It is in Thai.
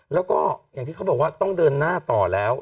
แล้วก็อย่างที่เขาบอกว่าต้องเดินหน้าต่อแล้ว